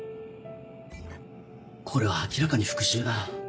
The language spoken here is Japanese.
これは明らかに復讐だ。